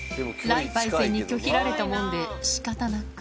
雷パイセンに拒否られたもんで、しかたなく。